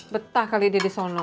betah kali dia di solo